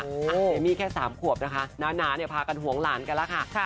เอมี่แค่๓ขวบนะคะน้าเนี่ยพากันห่วงหลานกันแล้วค่ะ